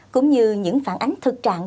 cũng như những phản ánh thực trạng